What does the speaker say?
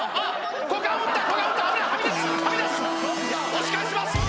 押し返します